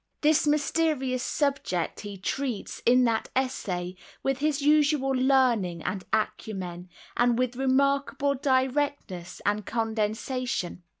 This mysterious subject he treats, in that Essay, with his usual learning and acumen, and with remarkable directness and condensation.